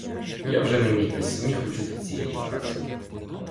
Я вже не міг без сміху чути цієї фрази.